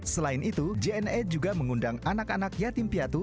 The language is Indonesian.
selain itu jna juga mengundang anak anak yatim piatu